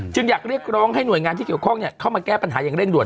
อยากเรียกร้องให้หน่วยงานที่เกี่ยวข้องเข้ามาแก้ปัญหาอย่างเร่งด่ว